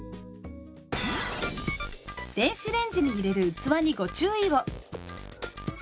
電子レンジに入れる器にご注意を！